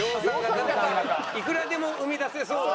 いくらでも生み出せそうな。